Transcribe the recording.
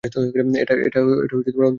এটা অন্তিম যাত্রা।